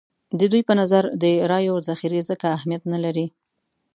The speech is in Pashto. د دوی په نظر د رایو ذخیرې ځکه اهمیت نه لري.